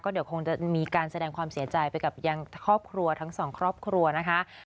เดี๋ยวคงจะมีการแสดงความเสียใจไปกับยังครอบครัวทั้งสองครอบครัวนะคะ